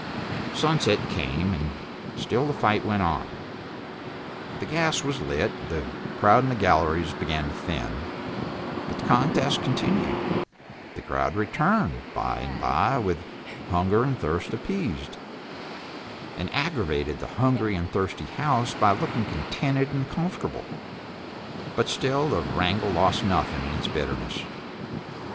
Sunset came, and still the fight went on; the gas was lit, the crowd in the galleries began to thin, but the contest continued; the crowd returned, by and by, with hunger and thirst appeased, and aggravated the hungry and thirsty House by looking contented and comfortable; but still the wrangle lost nothing of its bitterness.